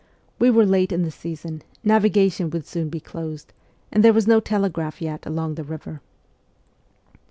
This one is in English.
We were late in the season, navigation would soon be closed, and there was no telegraph yet along the river.